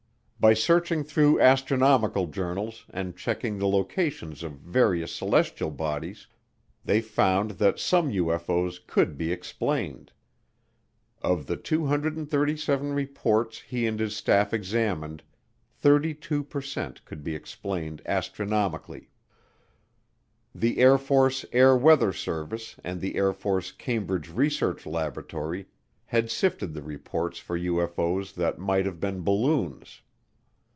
By searching through astronomical journals and checking the location of various celestial bodies, they found that some UFO's could be explained. Of the 237 reports he and his staff examined, 32 per cent could be explained astronomically. The Air Force Air Weather Service and the Air Force Cambridge Research Laboratory had sifted the reports for UFO's that might have been balloons.